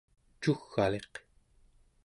cugg'aliq